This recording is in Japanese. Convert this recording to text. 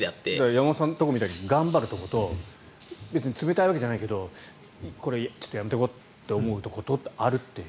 山本さんのところみたいに頑張るところと別に冷たいわけじゃないけどこれ、ちょっとやめておこうというところと、あるという。